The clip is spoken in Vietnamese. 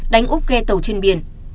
đánh úp ghe tàu trên biển